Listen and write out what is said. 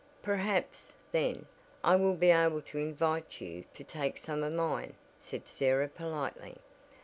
"Perhaps, then, I will be able to invite you to take some of mine," said Sarah politely.